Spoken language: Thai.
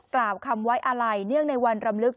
กล่าวคำไว้อาลัยเนื่องในวันรำลึก